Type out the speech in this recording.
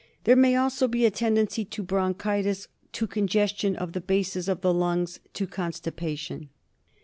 There may also be a tendency to bronchitis, to con gestion of the bases of the lungs, to constipation.